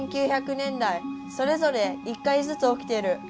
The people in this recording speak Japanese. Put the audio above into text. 年代それぞれ１回ずつ起きてる。